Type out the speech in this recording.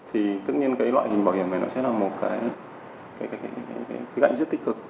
hình bảo hiểm này sẽ là một cái gạch rất tích cực